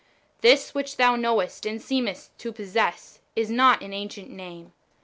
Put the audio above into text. This which thou knowest and seemest to possess, is not an ancient name.